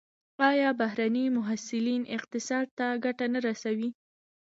آیا بهرني محصلین اقتصاد ته ګټه نه رسوي؟